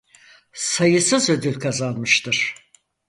Sayısız ödül kazanmıştır.